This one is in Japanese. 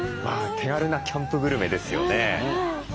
手軽なキャンプグルメですよね。